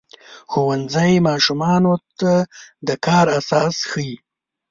ښوونځی ماشومانو ته د کار اساس ښيي.